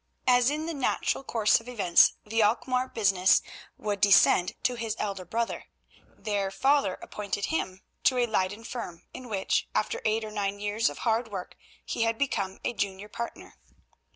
As in the natural course of events the Alkmaar business would descend to his elder brother, their father appointed him to a Leyden firm, in which, after eight or nine years of hard work, he had become a junior partner.